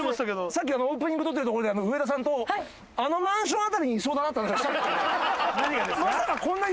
さっきオープニング撮ってる所で上田さんとあのマンション辺りにいそうだなって話はしたんですけど。